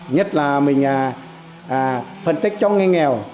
nhất là mình phân tích cho người nghèo